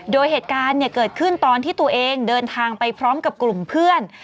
โดยเหตุการณ์เกิดขึ้นตอนที่ตัวเองเดินทางไปพร้อมกับกลุ่มเพื่อน